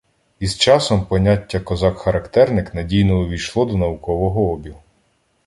Із часом поняття «козак-характерник» надійно увійшло до наукового обігу